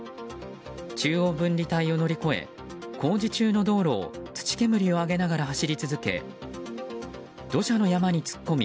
中央分離帯を乗り越え工事中の道路を土煙を上げながら走り続け土砂の山に突っ込み